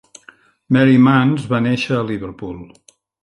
Mary Mance va néixer a Liverpool.